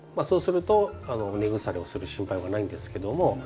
そうすると根腐れをする心配はないんですけども。